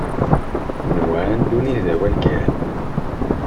Nwan ddunit d awal kan.